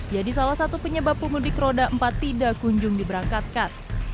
jadi salah satu penyebab pemudik roda empat tidak kunjung diberangkatkan